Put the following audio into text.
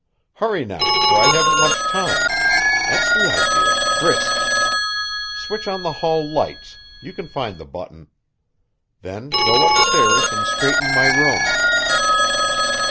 Hurry now, for I haven't much time. That's the idea brisk. Switch on the hall lights you can find the button. Then go upstairs and straighten my room."